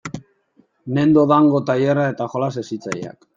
Nendo Dango tailerra eta jolas hezitzaileak.